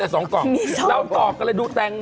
สีของ